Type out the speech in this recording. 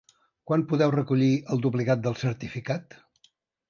Quan podeu recollir el duplicat del certificat?